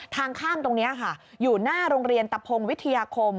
ทางข้ามตรงนี้ค่ะอยู่หน้าโรงเรียนตะพงวิทยาคม